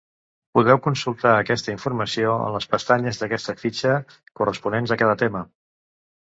Podeu consultar aquesta informació en les pestanyes d'aquesta fitxa corresponents a cada tema.